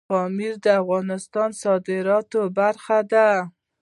پامیر د افغانستان د صادراتو برخه ده.